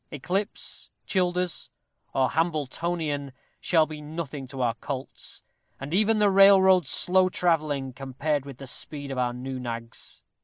Eclipse, Childers, or Hambletonian, shall be nothing to our colts, and even the railroad slow travelling, compared with the speed of our new nags!